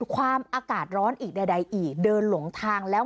ความอากาศร้อนอีกใดอีกเดินหลงทางแล้ว